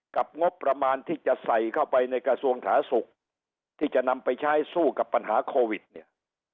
งบประมาณที่จะใส่เข้าไปในกระทรวงสาธารณสุขที่จะนำไปใช้สู้กับปัญหาโควิดเนี่ย